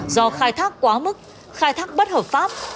do khai thác quá mức khai thác bất hợp pháp